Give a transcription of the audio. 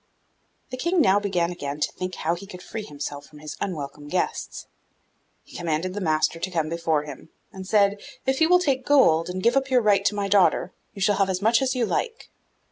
The King now began again to think how he could free himself from his unwelcome guests. He commanded the master to come before him, and said, 'If you will take gold, and give up your right to my daughter, you shall have as much as you like.